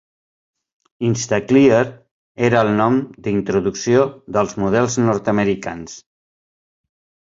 "Instaclear" era el nom d'introducció dels models nord-americans.